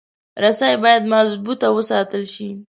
رسۍ باید محفوظ وساتل شي.